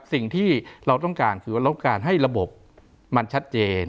สิ่งที่เราต้องการคือว่าเราต้องการให้ระบบมันชัดเจน